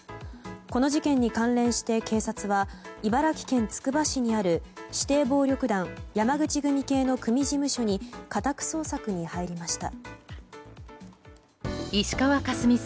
この事件に関連して警察は茨城県つくば市にある指定暴力団山口組系の組事務所に家宅捜索に入りました。